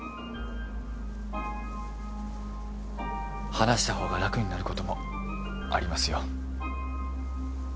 話したほうが楽になる事もありますよ。